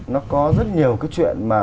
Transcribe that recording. nó có rất nhiều cái chuyện mà